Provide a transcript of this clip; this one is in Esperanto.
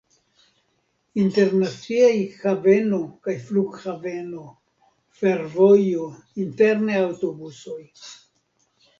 Internaciaj haveno kaj flughaveno, fervojo, interne aŭtobusoj.